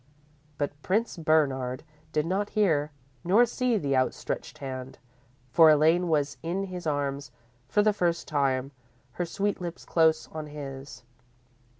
"_ _But Prince Bernard did not hear, nor see the outstretched hand, for Elaine was in his arms for the first time, her sweet lips close on his.